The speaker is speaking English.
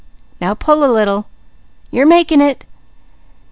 Now pull a little! You're making it!